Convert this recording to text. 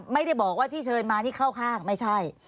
ไม่ได้บอกว่าที่เชิญมานี่เข้าข้างไม่ใช่